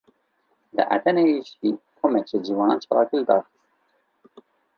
Li Edeneyê jî komek ji ciwanan çalakî lidar xist